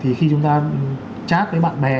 thì khi chúng ta chat với bạn bè